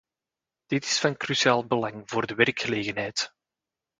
Dit is van cruciaal belang voor de werkgelegenheid.